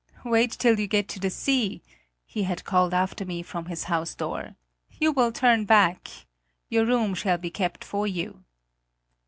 "Wait till you get to the sea," he had called after me from his house door. "You will turn back. Your room shall be kept for you."